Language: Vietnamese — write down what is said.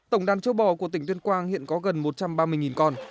tổng đàn châu bò của tỉnh tuyên quang hiện có gần một trăm ba mươi con